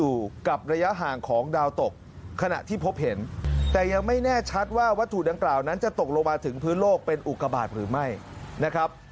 อุกระบาทหรือไม่นะครับ